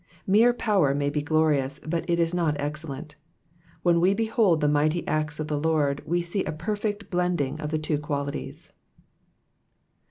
3Iere power may be glorious, but it is not excel lent : when wo behold the mighty acts of the Lord, we see a perfect blending of the two qualities.